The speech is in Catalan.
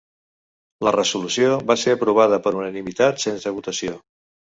La resolució va ser aprovada per unanimitat sense votació.